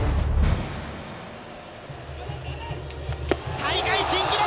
大会新記録！